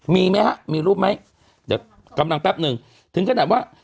มีไหมฮะมีรูปไหมเดี๋ยวกำลังแป๊บหนึ่งถึงขนาดว่า